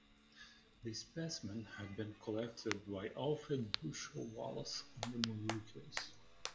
The specimen had been collected by Alfred Russel Wallace in the Moluccas.